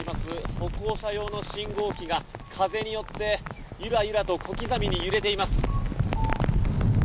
歩行者用の信号機が風によってゆらゆらと小刻みに揺れています。